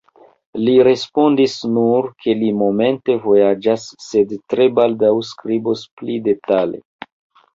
Li respondis nur, ke li momente vojaĝas, sed tre baldaŭ skribos pli detale.